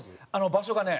場所がね